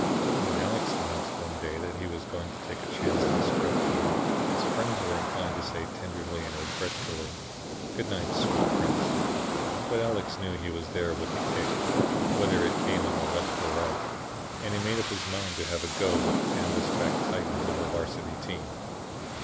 When Alex announced one day that he was going to take a chance on the scrub team, his friends were inclined to say tenderly and regretfully, "Good night, sweet prince." But Alex knew he was there with the kick, whether it came on the left or right, and he made up his mind to have a go with the canvas backed Titans of the Varsity team.